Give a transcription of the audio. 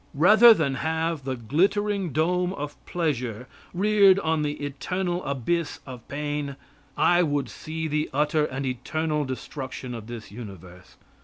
Rather than have the glittering dome of pleasure reared on the eternal abyss of pain, I would see the utter and eternal destruction of this universe.